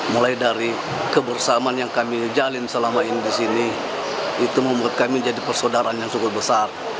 mulai dari kebersamaan yang kami jalin selama ini di sini itu membuat kami jadi persaudaraan yang cukup besar